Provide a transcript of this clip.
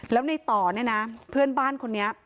แล้วในต่อเนี่ยนะเพื่อนบ้านคนนี้